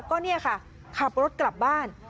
ก็เนี่ยค่ะขับรถกลับบ้าน